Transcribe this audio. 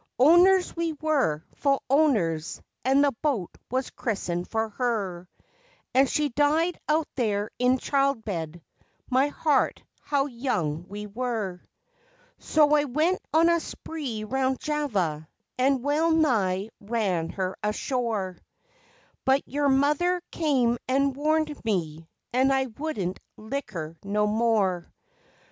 Owners we were, full owners, and the boat was christened for her, And she died out there in childbed. My heart, how young we were! So I went on a spree round Java and well nigh ran her ashore, But your mother came and warned me and I wouldn't liquor no more.